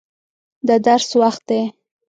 د درس وخت دی.